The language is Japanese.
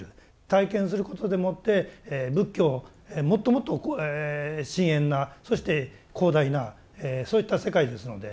体験することでもって仏教をもっともっとこう深遠なそして広大なそういった世界ですので。